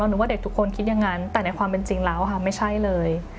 หนูว่าเด็กทุกคนคิดอย่างนั้นแต่ในความเป็นจริงแล้วค่ะไม่ใช่เลย